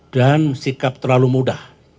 dan sikap terlalu mudah